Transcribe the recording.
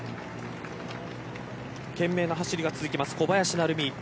懸命な走りが続きます小林成美。